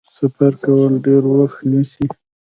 سفر کول ډیر وخت نیسي.